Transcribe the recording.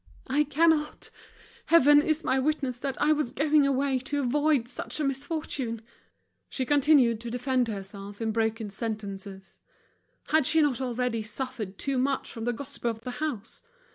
I cannot! Heaven is my witness that I was going away to avoid such a misfortune!" She continued to defend herself in broken sentences. Had she not already suffered too much from the gossip of the house?